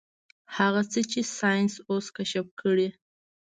هغه څه چې ساينس اوس کشف کړي.